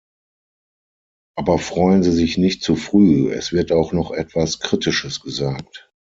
Aber freuen Sie sich nicht zu früh, es wird auch noch etwas Kritisches gesagt.